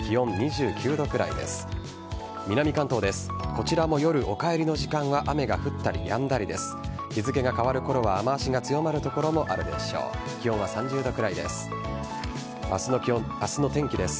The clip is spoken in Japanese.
こちらも夜、お帰りの時間は雨が降ったりやんだりです。